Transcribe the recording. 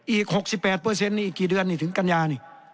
อีกหกสิบแปดเปอร์เซ็นต์นี่อีกกี่เดือนนี่ถึงกัญญานี่